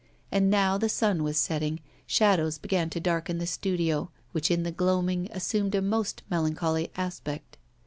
And now the sun was setting, shadows began to darken the studio, which in the gloaming assumed a most melancholy aspect.